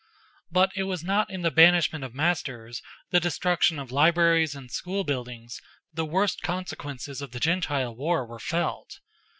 But it was not in the banishment of masters, the destruction of libraries and school buildings, the worst consequences of the Gentile war were felt.